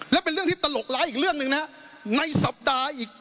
และเป็นเรื่องที่ตลกล้าอีกเรื่องหนึ่งนะ